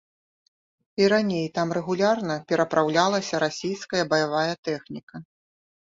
І раней там рэгулярна перапраўлялася расійская баявая тэхніка.